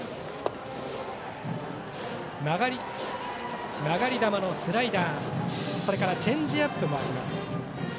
曲がり球のスライダーそれからチェンジアップもあります。